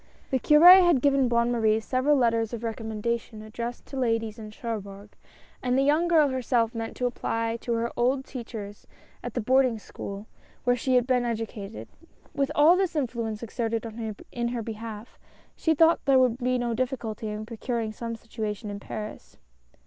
The Cure had given Bonne Marie several letters of recommendation addressed to ladies in Cherbourg, and the young girl herself meant to apply to her old teach ers at the boarding school where sho had been educa ted. With all this influence exerted in her behalf, she thought there would be no difficulty in procuring some situation in Paris.